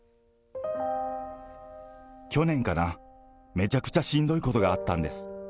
去年かな、めちゃくちゃしんどいことがあったんです。